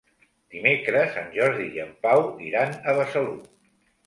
Dimecres en Jordi i en Pau iran a Besalú.